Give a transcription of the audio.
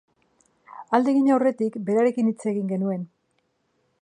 Alde egin aurretik berarekin hitz egin genuen.